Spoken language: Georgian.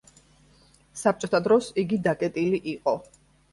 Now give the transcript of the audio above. საბჭოთა დროს იგი დაკეტილი იყო.